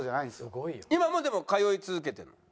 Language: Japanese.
今もでも通い続けてるの？